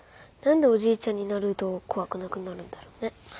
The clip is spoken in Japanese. なんでおじいちゃんになると怖くなくなるんだろうね。